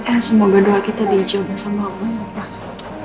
eh semoga doa kita di zimbang sama allah ya papa